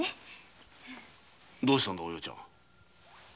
どうしたんだお葉ちゃん？